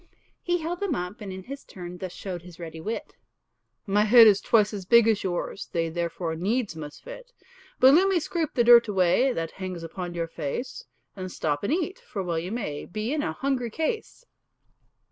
He held them up, and in his turn Thus showed his ready wit, "My head is twice as big as yours, They therefore needs must fit. "But let me scrape the dirt away That hangs upon your face; And stop and eat, for well you may Be in a hungry case."